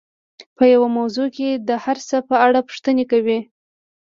په يوه موضوع کې د هر څه په اړه پوښتنې کوي.